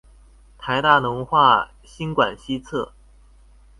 臺大農化新館西側